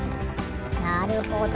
なるほど。